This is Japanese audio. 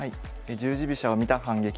「十字飛車を見た反撃」です。